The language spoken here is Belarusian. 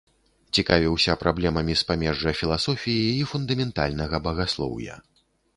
Цікавіўся праблемамі з памежжа філасофіі і фундаментальнага багаслоўя.